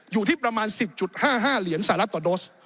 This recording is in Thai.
อยู่ที่ประมาณ๑๐๕๕เหรียญสหรัฐต่อโดส